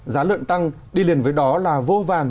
giá lợn tăng đi liền với đó là vô vàn